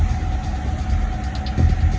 สุดท้ายว่าเมืองนี้จะเป็นที่สุดท้าย